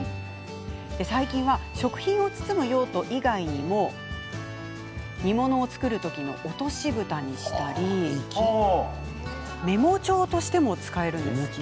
最近では食品を包む用途以外にも煮物を作る時の落としぶたにしたりメモ帳としても使われています。